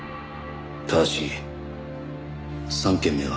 ただし３件目は。